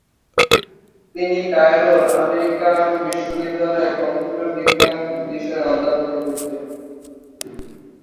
তিনি কায়রোর আমেরিকান বিশ্ববিদ্যালয়ে কম্পিউটার বিজ্ঞান বিষয়ে অধ্যাপনা করতেন।